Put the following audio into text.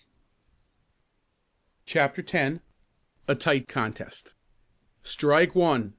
CHAPTER X A TIGHT CONTEST "Strike one!"